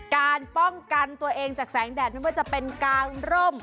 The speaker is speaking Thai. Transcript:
การป้องกันตัวเองจากแสงแดดไม่ว่าจะเป็นกางร่ม